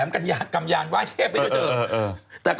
ว่ายเทพ